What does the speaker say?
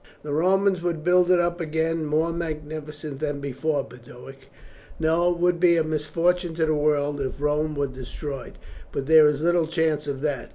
"The Romans would build it up again more magnificent than before, Boduoc. No, it would be a misfortune to the world if Rome were destroyed; but there is little chance of that.